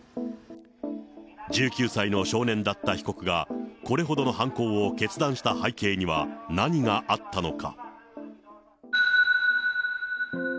１９歳の少年だった被告が、これほどの犯行を決断した背景には何があったのか。